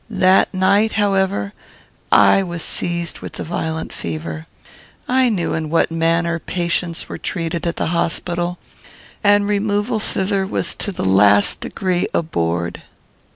That night, however, I was seized with a violent fever. I knew in what manner patients were treated at the hospital, and removal thither was to the last degree abhorred.